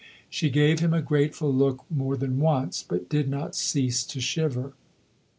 She gave him a grateful look more than once, but did not cease to shiver.